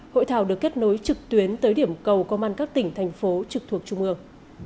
hội thảo được kết nối trực tuyến tới điểm cầu công an các tỉnh thành phố trực thuộc trung ương